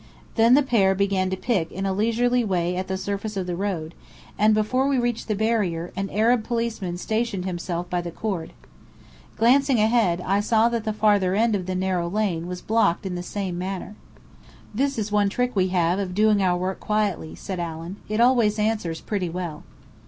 Then the pair began to pick in a leisurely way at the surface of the road, and before we reached the barrier, an Arab policeman stationed himself by the cord. Glancing ahead, I saw that the farther end of the narrow lane was blocked in the same manner. "This is one trick we have of doing our work quietly," said Allen. "It always answers pretty well."